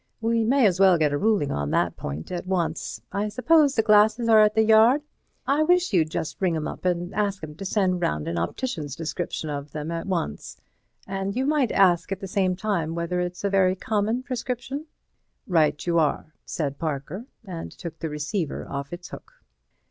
We may as well get a ruling on that point at once. I suppose the glasses are at the Yard. I wish you'd just ring 'em up and ask 'em to send round an optician's description of them at once—and you might ask at the same time whether it's a very common prescription." "Right you are," said Parker, and took the receiver off its hook.